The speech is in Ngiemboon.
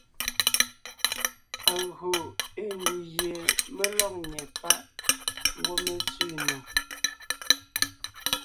Agÿò ée ndù gie mé lɔ́g nyɛ́ páʼ ngwɔ́ mé tsẅi nò.